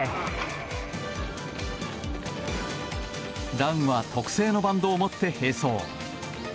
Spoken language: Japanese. ランは特製のバンドを持って並走。